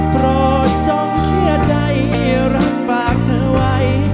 โกรธจงเชื่อใจรับปากเธอไว้